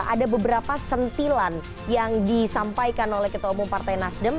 ada beberapa sentilan yang disampaikan oleh ketua umum partai nasdem